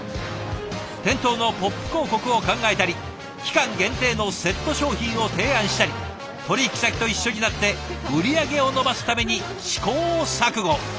店頭のポップ広告を考えたり期間限定のセット商品を提案したり取引先と一緒になって売り上げを伸ばすために試行錯誤。